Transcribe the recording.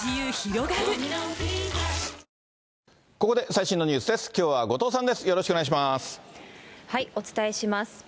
ここで最新のニュースです。